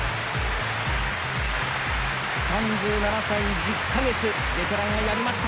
３７歳１０か月ベテランやりました！